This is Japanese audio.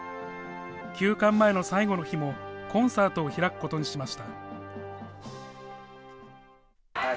休館前の最後の日もコンサートを開くことにしました。